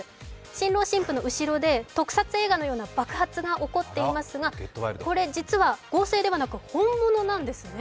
新郎新婦の後ろで特撮映画のような爆発が起こっていますがこれ、実は合成ではなく本物なんですね。